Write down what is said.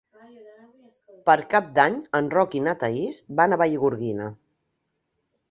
Per Cap d'Any en Roc i na Thaís van a Vallgorguina.